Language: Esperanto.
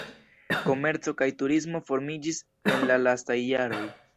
Komerco kaj turismo formiĝis en la lastaj jaroj.